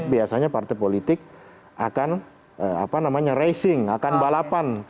biasanya partai politik akan racing akan balapan